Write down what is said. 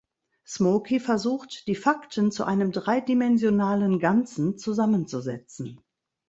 Smoky versucht die Fakten zu einem dreidimensionalen Ganzen zusammenzusetzen.